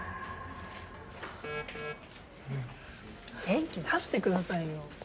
元気出してくださいよ。